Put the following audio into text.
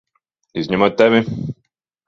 Izņemot tevi!